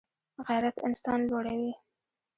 غیرت انسان لوړوي